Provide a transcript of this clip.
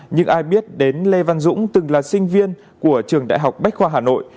nhưng ai biết đến lê văn dũng từng là sinh viên của trường đại học bách khoa hà nội